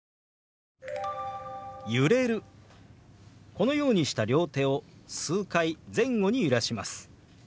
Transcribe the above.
このようにした両手を数回前後に揺らします。